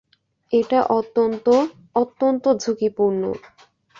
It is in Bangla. এটা অত্যন্ত, অত্যন্ত ঝুঁকিপূর্ণ।